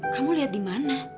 kamu liat dimana